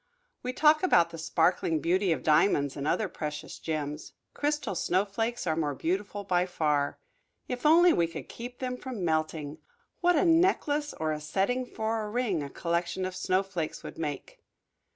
We talk about the sparkling beauty of diamonds and other precious gems; crystal snowflakes are more beautiful by far. If only we could keep them from melting what a necklace or a setting for a ring a collection of snowflakes would make!